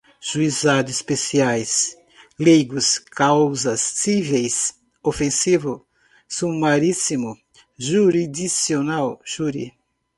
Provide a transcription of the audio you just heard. juizados especiais, leigos, causas cíveis, ofensivo, sumaríssimo, jurisdicional, júri